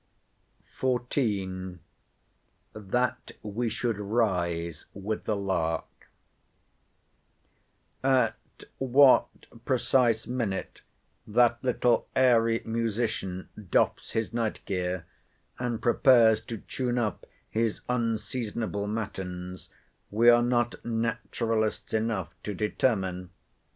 XIV.—THAT WE SHOULD RISE WITH THE LARK At what precise minute that little airy musician doffs his night gear, and prepares to tune up his unseasonable matins, we are not naturalists enough to determine.